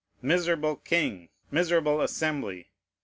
Miserable king! miserable assembly!